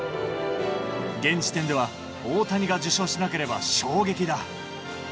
現時点では大谷が受賞しなければ衝撃だ。